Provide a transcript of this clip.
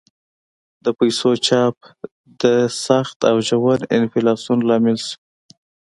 د پیسو چاپ د سخت او ژور انفلاسیون لامل شو.